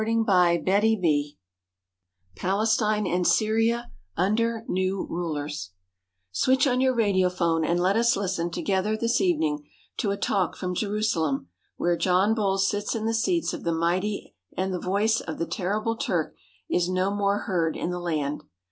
279 CHAPTER XXXIII PALESTINE AND SYRIA UNDER NEW RULERS SWITCH on your radiophone and let us listen to gether this evening to a talk from Jerusalem | where John Bull sits in the seats of the mighty and the voice of the terrible Turk is no more heard in the land.